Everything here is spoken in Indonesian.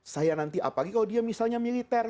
saya nanti apalagi kalau dia misalnya militer